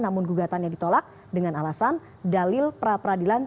namun gugatannya ditolak dengan alasan dalil pra peradilan